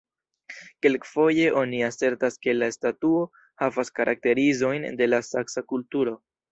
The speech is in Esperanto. Kelkfoje oni asertas ke la statuo havas karakterizojn de la saksa kulturo.